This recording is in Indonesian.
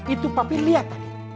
itu papi lihat